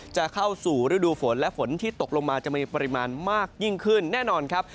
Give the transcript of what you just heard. จะเข้าสู่ฤดูฝนและฝนที่ตกลงมาจะมีปริมาณมากยิ่งขึ้นแน่นอนครับ